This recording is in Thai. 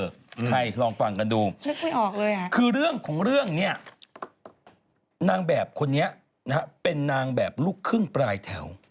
ใช่ลองฟังกันดูคือเรื่องของเรื่องนี้นะครับนางแบบคนนี้เป็นนางแบบลูกครึ่งปลายแถว